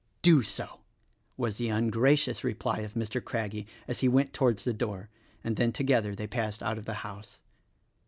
"Do so!" was the ungracious reply of Mr. Craggie as he went toward the door, and then together they passed out of the house.